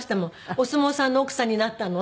「お相撲さんの奥さんになったの？」